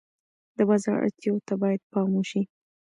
د بازار اړتیاوو ته باید پام وشي.